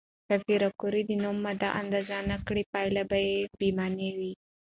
که پېیر کوري د نوې ماده اندازه نه کړي، پایله به بې معنا وي.